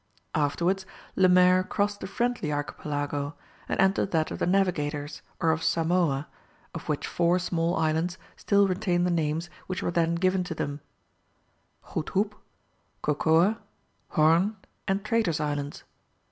Afterwards Lemaire crossed the Friendly Archipelago, and entered that of the Navigators, or of Samoa, of which four small islands still retain the names which were then given to them: Goed Hoep, Cocoa, Horn, and Traitors' Islands.